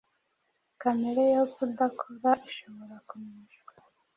Kamere yo kudakora ishobora kuneshwa.